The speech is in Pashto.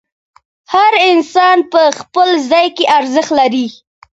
هر انسان په خپل ځای کې ارزښت لري.